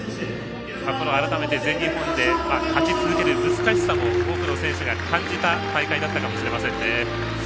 改めて全日本で勝ち続ける難しさも多くの選手が感じた大会だったかもしれませんね。